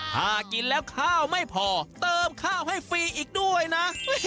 ถ้ากินแล้วข้าวไม่พอเติมข้าวให้ฟรีอีกด้วยนะ